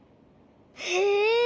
へえ。